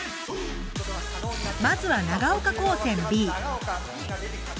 まずは長岡高専Ｂ。